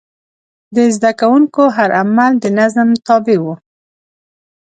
د زده کوونکو هر عمل د نظم تابع و.